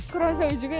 kurang tahu juga